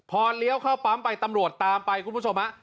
พอเลี้ยวเข้าปั๊มไปตำรวจตามไปคุณผู้ชมฮะ